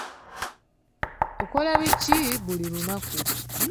Okola biki buli lunaku?